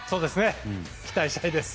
期待したいです。